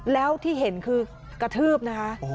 แล้วที่เห็นคือกระทืบนะคะ